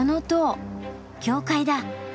教会だ。